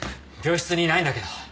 病室にいないんだけど。